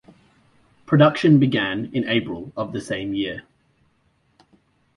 Production began in April of the same year.